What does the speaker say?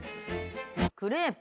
クレープ⁉